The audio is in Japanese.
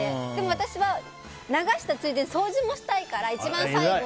私は流したついでに掃除もしたいから一番最後。